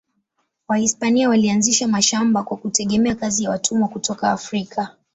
Wahispania walianzisha mashamba kwa kutegemea kazi ya watumwa kutoka Afrika.